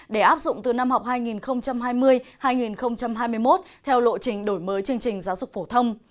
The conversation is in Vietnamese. để áp dụng từ năm học hai nghìn hai mươi hai nghìn hai mươi một theo lộ trình đổi mới chương trình giáo dục phổ thông